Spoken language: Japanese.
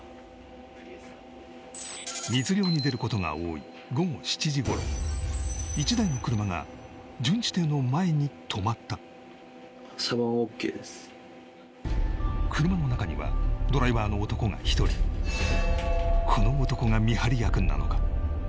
密漁に出ることが多い午後７時ごろ１台の車が車の中にはドライバーの男が１人この男が見張り役なのか？